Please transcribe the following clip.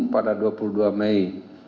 pada dua puluh dua mei dua ribu sembilan belas